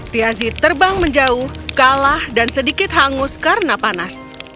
tiazi terbang menjauh kalah dan sedikit hangus karena panas